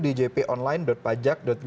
di jponline pajak go id ya